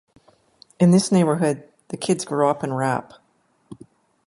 In this neighborhood, the kids grow up in rap.